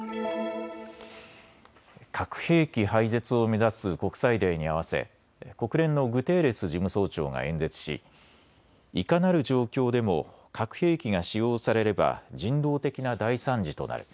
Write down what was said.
核兵器廃絶を目指す国際デーに合わせ国連のグテーレス事務総長が演説しいかなる状況でも核兵器が使用されれば人道的な大惨事となる。